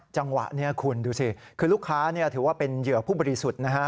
จังหวะนี้คุณดูสิคือลูกค้าถือว่าเป็นเหยื่อผู้บริสุทธิ์นะฮะ